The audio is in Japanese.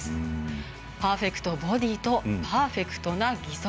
パーフェクトボディーとパーフェクトな義足。